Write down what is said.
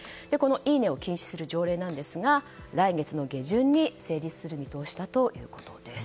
いいねを禁止する条例なんですが来月の下旬に成立する見通しだということです。